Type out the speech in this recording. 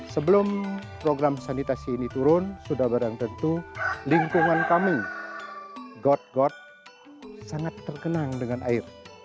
sebelum program sanitasi ini turun sudah barang tentu lingkungan kami got got sangat terkenang dengan air